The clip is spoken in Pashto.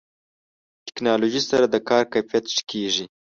ټکنالوژي سره د کار کیفیت ښه کېږي.